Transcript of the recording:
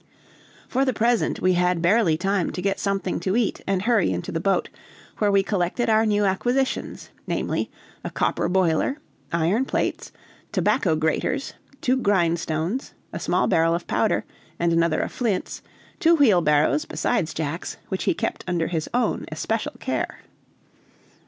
For the present we had barely time to get something to eat and hurry into the boat, where were collected our new acquisitions, namely, a copper boiler, iron plates, tobacco graters, two grindstones, a small barrel of powder, and another of flints, two wheel barrows, besides Jack's, which he kept under his own especial care.